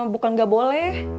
bukan gak boleh